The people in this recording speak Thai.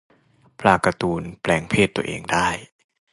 ปลาการ์ตูน แปลงเพศตัวเองได้